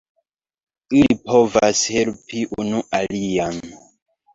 Ili povas helpi unu alian.